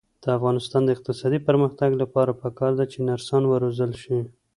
د افغانستان د اقتصادي پرمختګ لپاره پکار ده چې نرسان وروزل شي.